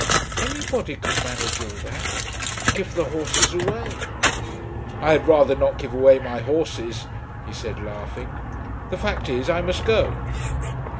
"Any body can manage all that. Give the horses away." "I had rather not give away my horses," he said laughing. "The fact is I must go."